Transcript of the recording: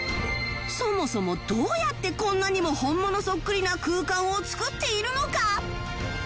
そもそもどうやってこんなにも本物そっくりな空間を作っているのか？